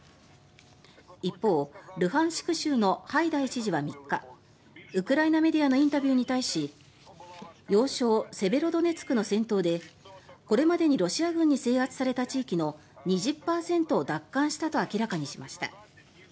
一方、ルハンシク州のハイダイ知事は３日ウクライナメディアのインタビューに対し要衝セベロドネツクの戦闘でこれまでにロシア軍に制圧された地域の２０％を奪還したと明らかにしました。